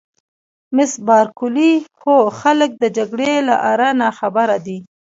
مس بارکلي: هو خلک د جګړې له آره ناخبره دي.